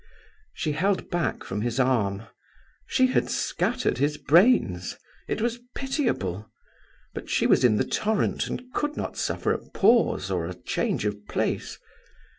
She held back from his arm. She had scattered his brains; it was pitiable: but she was in the torrent and could not suffer a pause or a change of place.